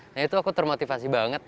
nah itu aku termotivasi banget